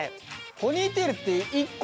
ポニーテールって１個？